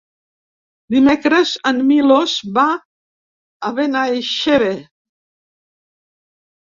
Dimecres en Milos va a Benaixeve.